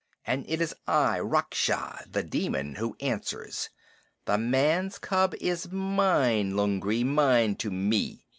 "And it is I, Raksha [The Demon], who answers. The man's cub is mine, Lungri mine to me!